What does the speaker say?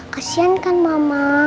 kesian kan mama